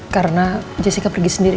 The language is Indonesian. karena jessica pergi sendiri